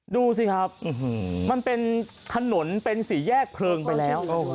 ดูสิครับมันเป็นถนนเป็นสี่แยกเพลิงไปแล้ว